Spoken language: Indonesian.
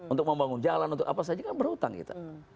untuk membangun jalan untuk apa saja kan berhutang kita